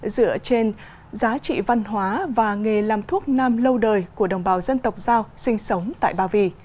dựa trên giá trị văn hóa và nghề làm thuốc nam lâu đời của đồng bào dân tộc giao sinh sống tại ba vì